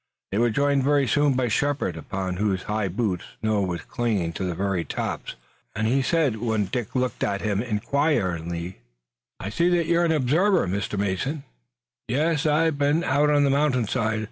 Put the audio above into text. They were joined very soon by Shepard, upon whose high boots snow was clinging to the very tops, and he said when Dick looked at him inquiringly: "I see that you're an observer, Mr. Mason. Yes, I've been out on the mountainside.